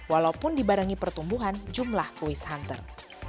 walaupun dibarengi pertumbuhan jumlah kuis hunter